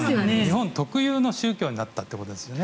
日本特有の宗教に仏教はなったということですね。